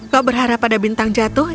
kau berharap pada bintang jatuh